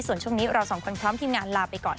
ส่วนช่วงนี้เราสองคนพร้อมทีมงานลาไปก่อน